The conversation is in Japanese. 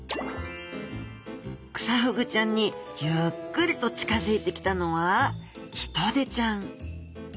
クサフグちゃんにゆっくりと近づいてきたのはヒトデちゃん！